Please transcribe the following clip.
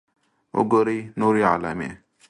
.وګورئ نورې علامې